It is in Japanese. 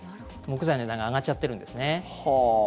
木材の値段が上がっちゃってるんですね。